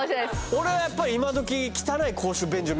俺はやっぱり今どきえーっ